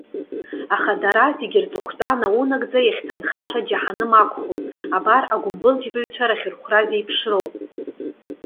Аха, дара зегьы рҵыхәтәа, наунагӡа иахьҭанхаша џьаҳаным акәхоит! Абар, агәымбылџьбаҩцәа рахьырхәра зеиԥшроу!